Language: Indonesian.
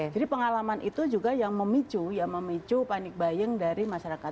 jadi pengalaman itu juga yang memicu yang memicu panic buying dari masyarakat